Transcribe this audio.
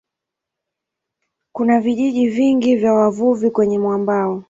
Kuna vijiji vingi vya wavuvi kwenye mwambao.